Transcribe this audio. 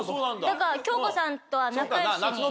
だから京子さんとは仲良しに。